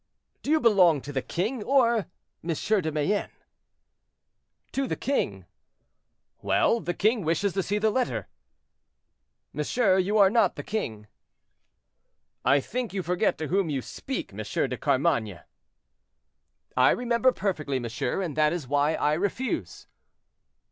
"Do you belong to the king, or M. de Mayenne?" "To the king." "Well! the king wishes to see the letter." "Monsieur, you are not the king." "I think you forget to whom you speak, M. de Carmainges." "I remember perfectly, monsieur, and that is why I refuse."